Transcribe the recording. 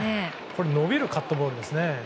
伸びるカットボールですね。